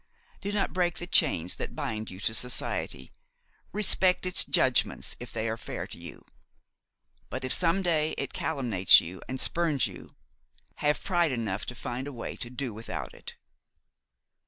Do not break the chains that bind you to society, respect its judgments if they are fair to you: but if some day it calumniates you and spurns you, have pride enough to find a way to do without it."